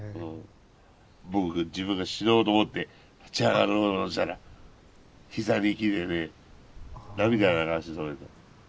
僕が自分が死のうと思って立ち上がろうとしたら膝に来てね涙流して止めた。